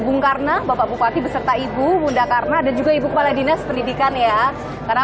bung karno bapak bupati beserta ibu munda karna dan juga ibu kepala dinas pendidikan ya karena